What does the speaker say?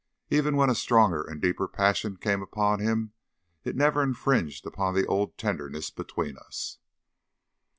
Even when a stronger and deeper passion came upon him, it never infringed upon the old tenderness between us.